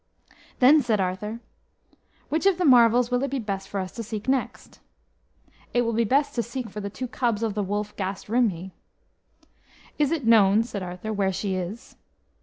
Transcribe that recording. Then said Arthur, "Which of the marvels will it be best for us to seek next?" "It will be best to seek for the two cubs of the wolf Gast Rhymhi." "Is it known," said Arthur, "where she is?"